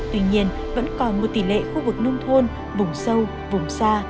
tuy nhiên vẫn còn một tỷ lệ khu vực nông thôn vùng sâu vùng xa